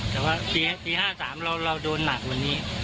แต่ว่าปี๕๓เราโดนหนักกว่านี้